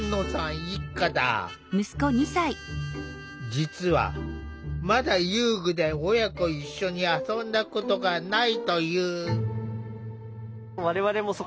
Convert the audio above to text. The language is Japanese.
実はまだ遊具で親子一緒に遊んだことがないという。